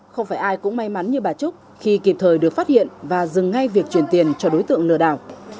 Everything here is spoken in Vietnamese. không phải ai cũng may mắn như bà trúc khi kịp thời được phát hiện và dừng ngay việc truyền tiền cho đối tượng lừa đảo